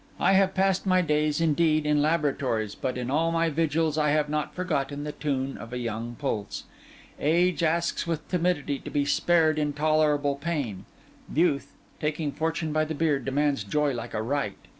I have passed my days, indeed, in laboratories; but in all my vigils I have not forgotten the tune of a young pulse. Age asks with timidity to be spared intolerable pain; youth, taking fortune by the beard, demands joy like a right.